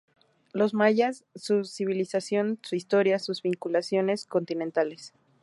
Los mayas: su civilización, su historia, sus vinculaciones continentales.